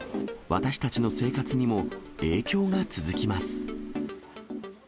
私たちの生活にも影響が続きます。